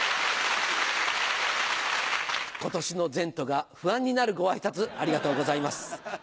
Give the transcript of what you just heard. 今年の前途が不安になるご挨拶ありがとうございます。